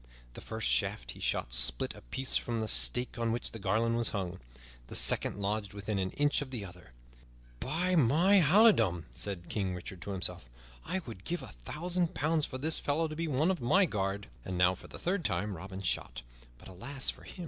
The first shaft he shot split a piece from the stake on which the garland was hung; the second lodged within an inch of the other. "By my halidom," said King Richard to himself, "I would give a thousand pounds for this fellow to be one of my guard!" And now, for the third time Robin shot; but, alas for him!